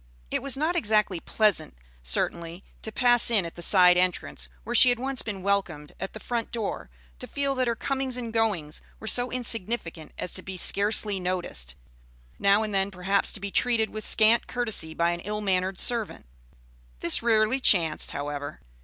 It was not exactly pleasant, certainly, to pass in at the side entrance where she had once been welcomed at the front door; to feel that her comings and her goings were so insignificant as to be scarcely noticed; now and then, perhaps, to be treated with scant courtesy by an ill mannered servant. This rarely chanced, however.